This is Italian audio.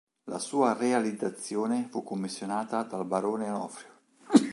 La sua realizzazione fu commissionata dal barone Onofrio.